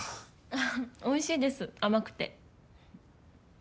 あっおいしいです甘くて。